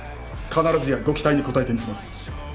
必ずやご期待に応えてみせます。